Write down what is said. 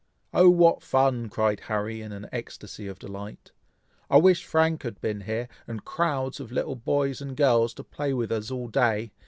"Oh! what fun!" cried Harry, in an ecstacy of delight; "I wish Frank had been here, and crowds of little boys and girls, to play with us all day!